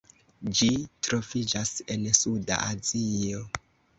Ĝi troviĝas en suda Azio.